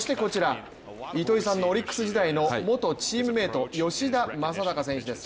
糸井さんのオリックス時代の元チームメート吉田正尚選手です。